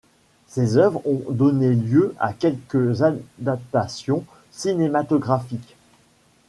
Ses œuvres ont donné lieu à quelques adaptations cinématographiques.